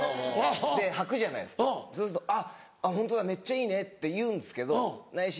で履くじゃないですかそうすると「あっホントだめっちゃいいね」って言うんですけど内心